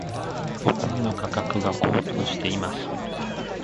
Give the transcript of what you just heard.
お米の価格が高騰しています。